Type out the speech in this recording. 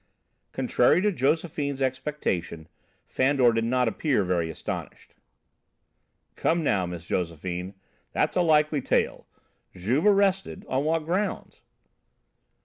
Contrary to Josephine's expectation, Fandor did not appear very astonished. "Come now, Miss Josephine, that's a likely tale! Juve arrested? On what grounds?"